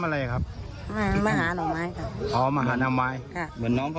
ไม่แปลว่าป่าวดูเข้ามันไม่ชวนแหวนครับ